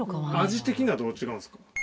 味的にはどう違うんですか？